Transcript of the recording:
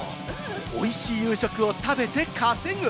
おいしい夕食を食べて稼ぐ！